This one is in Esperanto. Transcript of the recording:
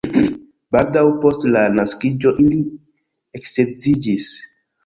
Baldaŭ post lia naskiĝo ili eksedziĝis.